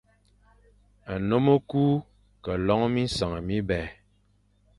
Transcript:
Nnôm e ku ke lon minseñ mibè.